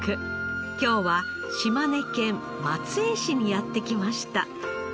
今日は島根県松江市にやってきました。